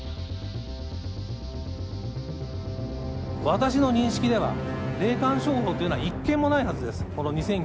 私の認識では、霊感商法というのは一件もないはずです。